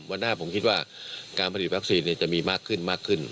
วันหน้าผมคิดว่าการผลิตวัคซีนเนี่ยจะมีมากขึ้น